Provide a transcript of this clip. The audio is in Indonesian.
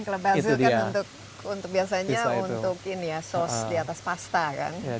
kalau basil kan untuk biasanya untuk ini ya source di atas pasta kan